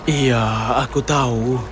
ya aku tahu